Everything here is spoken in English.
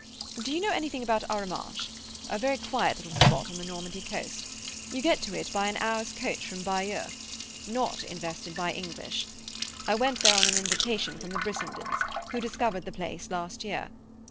"Do you know anything about Arromanches? A very quiet little spot on the Normandy coast. You get to it by an hour's coach from Bayeux. Not infested by English. I went there on an invitation from the Brissendens; who discovered the place last year.